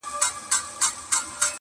د مارګلۍ پېزوانه پاڅه وروځې وغورځوه